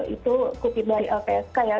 itu kutip dari lpsk ya